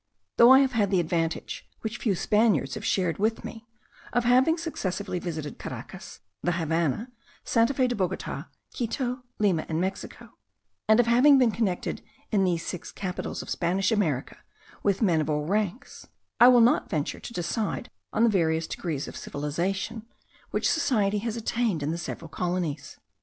Though I have had the advantage, which few Spaniards have shared with me, of having successively visited Caracas, the Havannah, Santa Fe de Bogota, Quito, Lima, and Mexico, and of having been connected in these six capitals of Spanish America with men of all ranks, I will not venture to decide on the various degrees of civilization, which society has attained in the several colonies.